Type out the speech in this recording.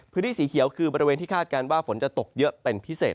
พื้นที่สีเขียวคือบริเวณที่คาดการณ์ว่าฝนจะตกเยอะเป็นพิเศษ